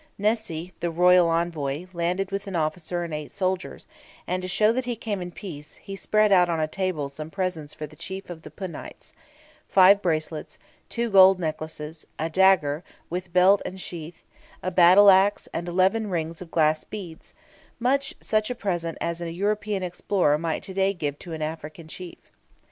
Nehsi, the royal envoy, landed with an officer and eight soldiers, and, to show that he came in peace, he spread out on a table some presents for the chief of the Punites five bracelets, two gold necklaces, a dagger, with belt and sheath, a battle axe, and eleven strings of glass beads much such a present as a European explorer might give to day to an African chief.